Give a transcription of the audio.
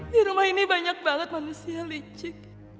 di rumah ini banyak banget manusia licik